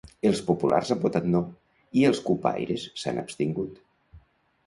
Els populars han votat "No" i els cupaires s'han abstingut.